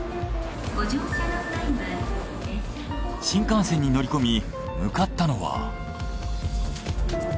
新幹線に乗り込み向かったのは。